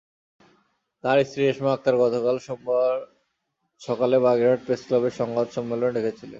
তাঁর স্ত্রী রেশমা আক্তার গতকাল সোমবার সকালে বাগেরহাট প্রেসক্লাবে সংবাদ সম্মেলন ডেকেছিলেন।